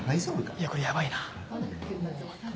いやこれヤバいな。